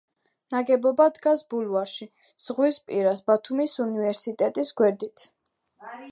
ნაგებობა დგას ბულვარში, ზღვის პირას, ბათუმის უნივერსიტეტის გვერდით.